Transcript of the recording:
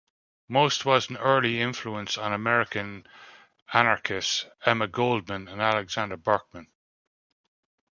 Most was an early influence on American anarchists Emma Goldman and Alexander Berkman.